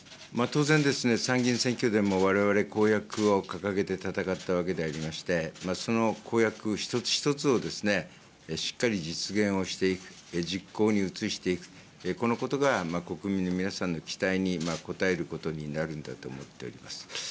当然、参議院選挙でも、われわれ公約を掲げて戦ったわけでありまして、その公約一つ一つをしっかり実現をしていく、実行に移していく、このことが国民の皆さんの期待に応えることになるんだと思っております。